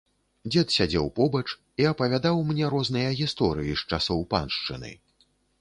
Дзед сядзеў побач і апавядаў мне розныя гісторыі з часоў паншчыны.